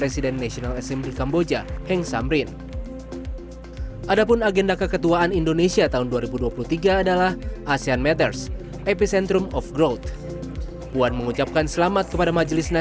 semua ini sekali lagi menunjukkan komitmen kuat parlemen anggota asean untuk mendukung kerja aipa